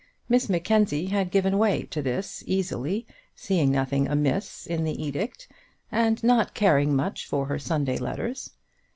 Miss Mackenzie had given way to this easily, seeing nothing amiss in the edict, and not caring much for her Sunday letters.